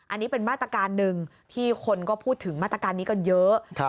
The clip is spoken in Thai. อันนี้เป็นมาตรการหนึ่งที่คนก็พูดถึงมาตรการนี้กันเยอะ